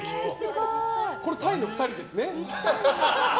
これ、タイの２人ですね。